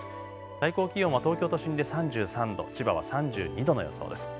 最高気温は東京都心で３３度、千葉は３２度の予想です。